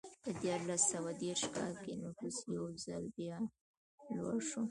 په دیارلس سوه دېرش کال کې نفوس یو ځل بیا لوړ شو.